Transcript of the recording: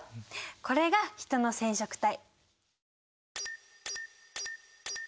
これがヒトの染色体。